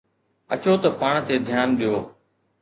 اچو ته پاڻ تي ڌيان ڏيو.